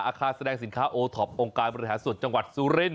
อาคารแสดงสินค้าโอทอปองค์กายบริษัทส่วนจังหวัดซูเรน